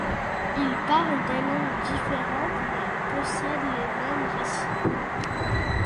Ils parlent des langues différentes mais possèdent les mêmes racines.